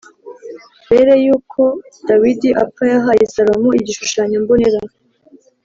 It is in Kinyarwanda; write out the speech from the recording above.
Bere y uko dawidi apfa yahaye salomo igishushanyo mbonera